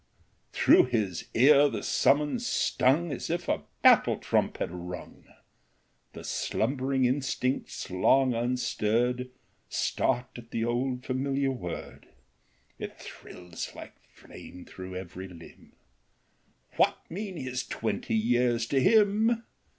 — Through his ear the summons stung As if a battle trump had rung ; The slumbering instincts long unstirred Start at the old familiar word ; It thrills like flame through every limb — What mean his twenty years to him